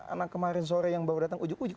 anak kemarin sore yang baru datang ujug ujig